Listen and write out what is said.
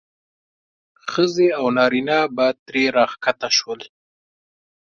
ښځې او نارینه به ترې راښکته شول.